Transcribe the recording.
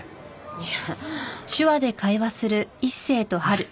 いや。